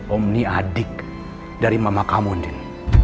om ini adik dari mama kamu andien